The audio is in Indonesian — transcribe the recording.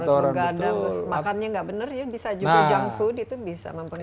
terus harus bergadang makannya tidak benar ya bisa juga junk food itu bisa mempengaruhi